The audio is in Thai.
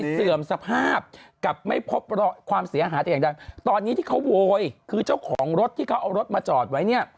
เขาโหควนคือเจ้าของรถที่เขาโหลดมาจ่อไว้เนี่ย